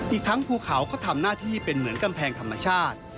อีกทั้งภูเขาก็ทำหน้าที่เป็นเหมือนกำแพงธรรมชาติ